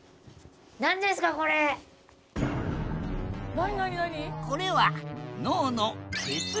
何何何！？